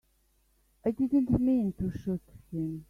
I didn't mean to shoot him.